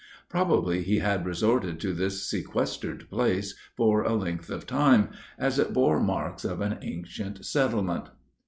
Probably he had resorted to this sequestered place for a length of time, as it bore marks of an ancient settlement.